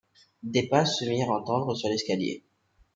Des pas se firent entendre sur l’escalier.